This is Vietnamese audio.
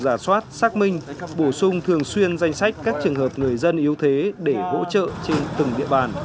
giả soát xác minh bổ sung thường xuyên danh sách các trường hợp người dân yếu thế để hỗ trợ trên từng địa bàn